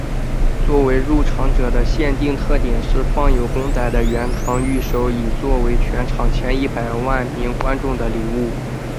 作为入场者的限定特典是放有公仔的圆堂御守以作为全国前一百万名观众的礼物。